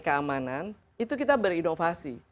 keamanan itu kita berinovasi